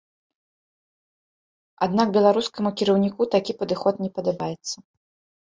Аднак беларускаму кіраўніку такі падыход не падабаецца.